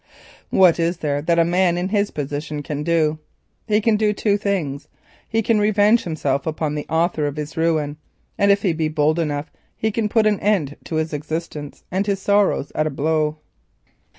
What is there that a man in his position can do? He can do two things—he can revenge himself upon the author of his ruin, and if he be bold enough, he can put an end to his existence and his sorrows at a blow.